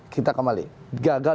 kita kembali gagal